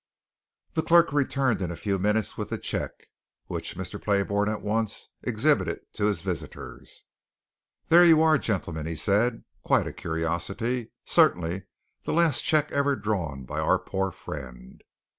The clerk returned in a few minutes with the cheque, which Mr. Playbourne at once exhibited to his visitors. "There you are, gentlemen," he said. "Quite a curiosity! certainly the last cheque ever drawn by our poor friend.